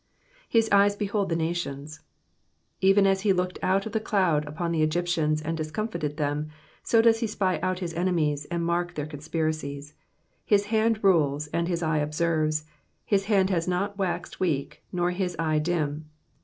''*'His eyes heboid the nations.'*'* Even as he looked out of the cloud upon the Egyptians and discomfited them, so does he spy out his enemies, and mark their conspiracies. His hand rules and his eye observes, his hand has not waxed weak, nor his eye dim.